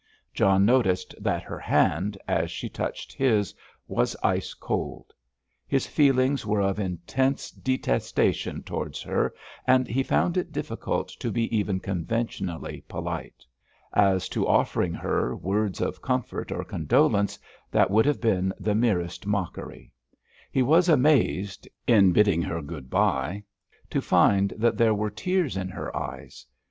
John noticed that her hand, as she touched his, was ice cold. His feelings were of intense detestation towards her, and he found it difficult to be even conventionally polite. As to offering her words of comfort or condolence, that would have been the merest mockery. He was amazed, in bidding her good bye, to find that there were tears in her eyes.